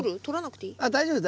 取らなくていい？